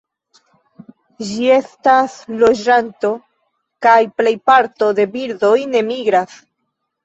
Ĝi estas loĝanto, kaj plej parto de birdoj ne migras.